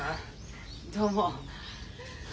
どうも。